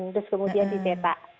terus kemudian dimetak